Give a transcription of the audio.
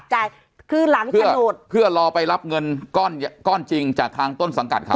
จ่ายคือหลังฉนดเพื่อรอไปรับเงินก้อนก้อนจริงจากทางต้นสังกัดเขา